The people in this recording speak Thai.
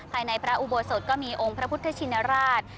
ภายในพระอุโบสถก็มีองค์พระพุทธชินราช